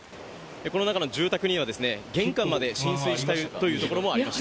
この中の住宅にはですね、玄関まで浸水したという所もありました。